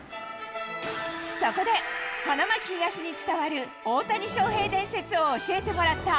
そこで、花巻東に伝わる大谷翔平伝説を教えてもらった。